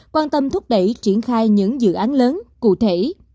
quan tâm thúc đẩy triển khai những dự án lớn cụ thể